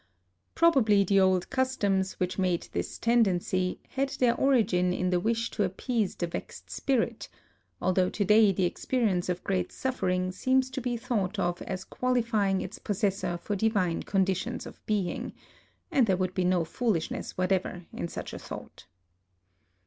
(Prob ably the old customs which made this ten 12 A LIVING GOD dency had their origin in the wish to appease the vexed spirit, although to day the experi ence of great suffering seems to be thought of as qualifying its possessor for divine condi tions of being ;— and there would be no fool ishness whatever in such a thought.)